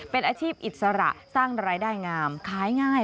เป็นอาชีพอิสระสร้างรายได้งามขายง่าย